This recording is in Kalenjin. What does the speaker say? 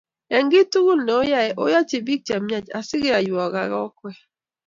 Eng kiy tukul neoyae, oyaichibiik chemiach asikeyoiwok akikwek